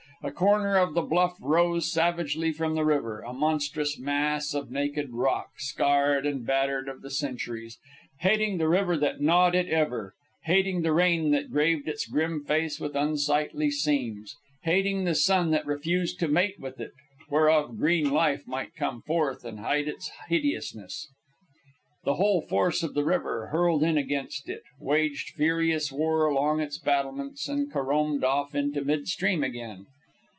A corner of the bluff rose savagely from the river a monstrous mass of naked rock, scarred and battered of the centuries; hating the river that gnawed it ever; hating the rain that graved its grim face with unsightly seams; hating the sun that refused to mate with it, whereof green life might come forth and hide its hideousness. The whole force of the river hurled in against it, waged furious war along its battlements, and caromed off into mid stream again.